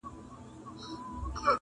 يؤ ښکلے ځان سره لکه وســـــــله راتېرٶم